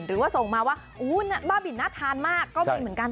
หรือว่าส่งมาว่าบ้าบินน่าทานมากก็มีเหมือนกัน